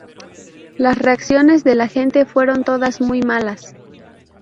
Las reacciones de la gente fueron todas muy malas.